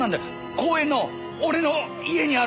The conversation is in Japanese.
公園の俺の家にある。